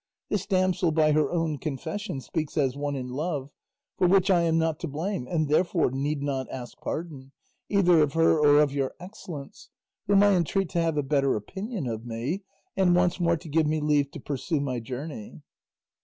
This damsel by her own confession speaks as one in love, for which I am not to blame, and therefore need not ask pardon, either of her or of your excellence, whom I entreat to have a better opinion of me, and once more to give me leave to pursue my journey."